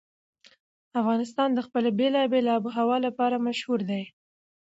افغانستان د خپلې بېلابېلې آب وهوا لپاره مشهور دی.